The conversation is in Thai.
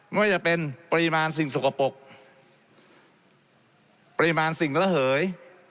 ไม่ว่าจะเป็นปริมาณสิ่งสกปรกปริมาณสิ่งระเหย